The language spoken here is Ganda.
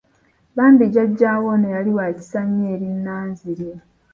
Bambi jjajja we ono yali wa kisa nnyo eri Nanziri.